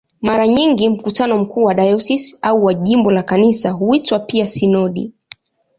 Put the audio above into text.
Mara nyingi mkutano mkuu wa dayosisi au wa jimbo la Kanisa huitwa pia "sinodi".